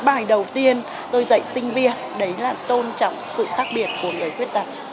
bài đầu tiên tôi dạy sinh viên đấy là tôn trọng sự khác biệt của người khuyết tật